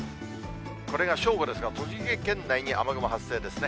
これが正午ですが、栃木県内に雨雲発生ですね。